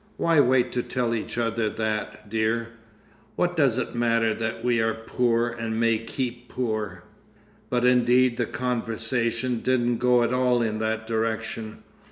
Why wait to tell each other that, dear? What does it matter that we are poor and may keep poor?" But indeed the conversation didn't go at all in that direction.